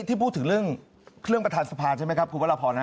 ที่พูดถึงเรื่องเครื่องประธานสภาใช่ไหมครับคุณวรพร